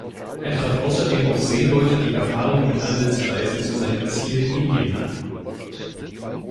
Er traf außerdem auf Seeleute, die Erfahrung mit Handelsreisen zu seinem Ziel Indien hatten.